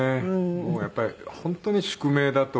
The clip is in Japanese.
もうやっぱり本当に宿命だと思いますね。